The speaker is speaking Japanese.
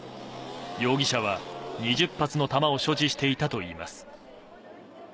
容疑者は、２０発の弾を所持していたといいます。